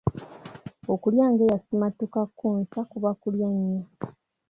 Okulya ng'eyasimattuka Kkunsa kubeera kulya nnyo.